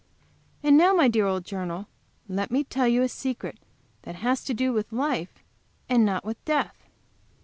And now, my dear old journal, let me tell you a secret that has to do with life, and not with death.